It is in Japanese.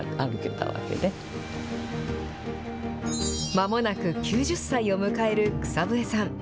まもなく９０歳を迎える草笛さん。